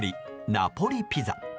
ナポリ・ピザ。